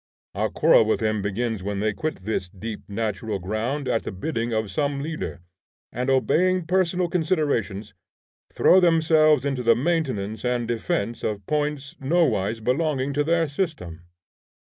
Our quarrel with them begins when they quit this deep natural ground at the bidding of some leader, and obeying personal considerations, throw themselves into the maintenance and defence of points nowise belonging to their system.